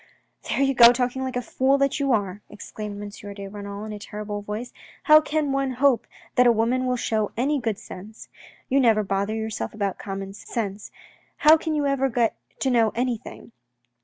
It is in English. ..."" There you go talking like the fool that you are," exclaimed M. de Renal in a terrible voice. " How can one hope that a woman will show any good sense ? You never bother yourself about common sense. How can you ever get to know any thing